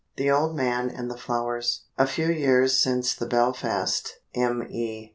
THE OLD MAN AND THE FLOWERS. A few years since the Belfast (Me.)